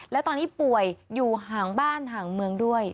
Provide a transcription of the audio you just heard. และตอนนี้ป่วยอยู่ห่างบ้านห่างเมืองด้วย